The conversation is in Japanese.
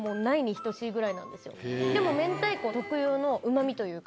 でも明太子特有のうま味というか。